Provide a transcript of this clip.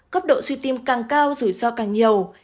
cấp độ suy tim càng cao rủi ro càng nhiều